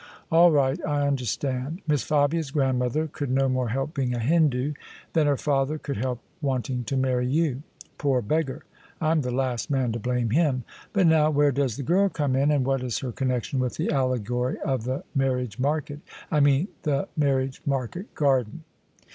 "All right: I understand. Miss Fabia's grandmother could no more help being a Hindoo than her father could help wanting to marry you. Poor beggar! I'm the last man to blame him. But now where does the girl come in, and what is her connexion with the allegory of the marriage market — I mean the marriage market garden?"